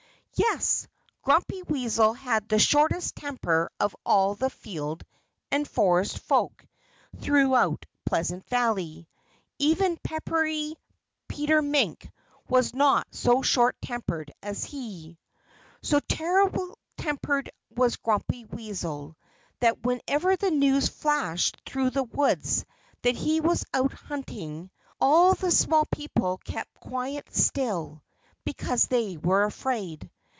Yes! Grumpy Weasel had the shortest temper of all the field and forest folk throughout Pleasant Valley. Even peppery Peter Mink was not so short tempered as he. So terrible tempered was Grumpy Weasel that whenever the news flashed through the woods that he was out hunting, all the small people kept quite still, because they were afraid.